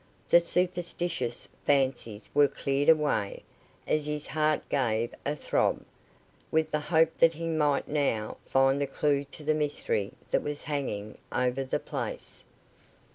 The superstitious fancies were cleared away, as his heart gave a throb, with the hope that he might now find the clue to the mystery that was hanging over the place.